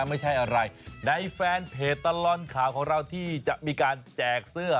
ไม่ใช่อะไรในแฟนเพจตลอดข่าวของเราที่จะมีการแจกเสื้อ